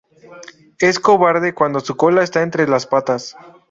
Es cobarde cuando su cola está entre las patas.